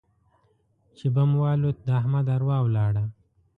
چې بم والوت؛ د احمد اروا ولاړه.